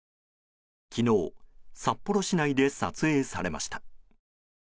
昨日、札幌市内で撮影されました。